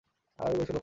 আরো বই ফেলো!